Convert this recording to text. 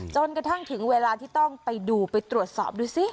จนกระทั่งถึงเวลาที่ต้องไปดูไปตรวจสอบดูสิ